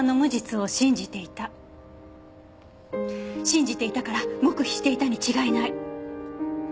信じていたから黙秘していたに違いない。